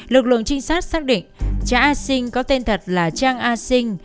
lực lượng trinh sát xác định trã a sinh có tên thật là trang a sinh